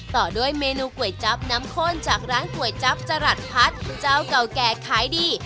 ต่อด้วยเมนูก๋วยจั๊บน้ำข้นจากร้านก๋วยจั๊บจรัสพัฒน์เจ้าเก่าแก่ขายดี